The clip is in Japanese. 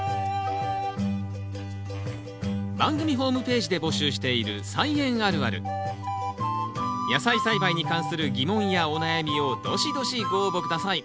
番組ホームページで募集している野菜栽培に関する疑問やお悩みをどしどしご応募下さい。